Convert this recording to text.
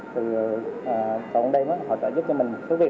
từ cộng đêm họ trợ giúp cho mình số việc